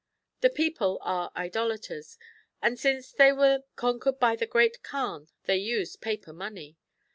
The people are Idolaters ; and since they were con quered by the Great Kaan they use paper money.